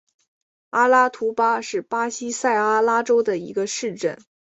阿拉图巴是巴西塞阿拉州的一个市镇。